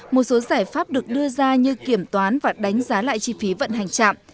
một số giải pháp được đưa ra như kiểm toán và đánh giá lại chi phí vận hành chạm